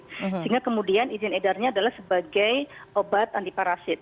sehingga kemudian izin edarnya adalah sebagai obat antiparasit